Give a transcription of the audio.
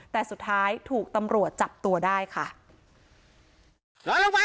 แต่สุดท้ายถูกตำรวจจับตัวได้ค่ะ